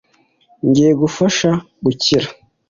ngiye kugufasha gukira